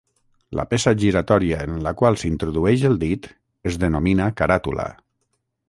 La peça giratòria en la qual s'introdueix el dit es denomina caràtula.